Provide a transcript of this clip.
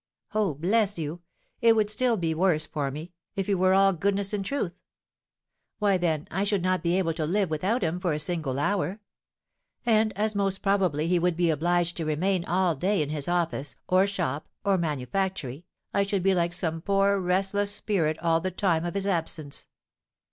"Oh, bless you! It would be still worse for me, if he were all goodness and truth. Why, then I should not be able to live without him for a single hour; and as most probably he would be obliged to remain all day in his office, or shop, or manufactory, I should be like some poor, restless spirit all the time of his absence.